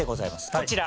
こちら。